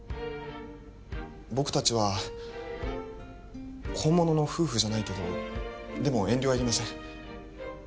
僕達は本物の夫婦じゃないけどでも遠慮はいりません